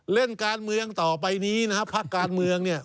เล่นการเมืองต่อไปนี้นะครับภาคการเมืองเนี่ย